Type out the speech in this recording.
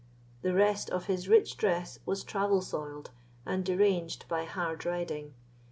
The rest of his rich dress was travel soiled, and deranged by hard riding.